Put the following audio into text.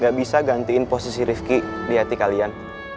gak bisa gantiin posisi rifki di hati kalian